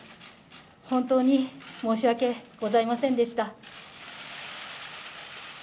本当に申し訳ございませんでした。